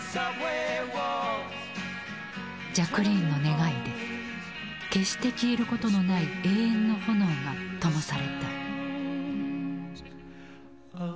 ジャクリーンの願いで決して消えることのない永遠の炎がともされた。